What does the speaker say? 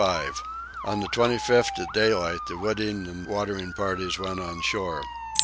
On the 25th at daylight the wooding and watering parties went on shore.